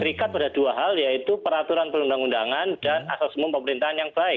terikat pada dua hal yaitu peraturan perundang undangan dan asas umum pemerintahan yang baik